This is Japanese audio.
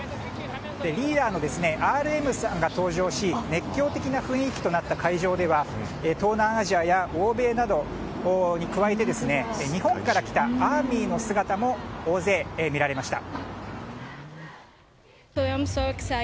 リーダーのＲＭさんが登場し熱狂的な雰囲気となった会場では東南アジアや欧米などに加えて日本から来たＡＲＭＹの姿も大勢見られました。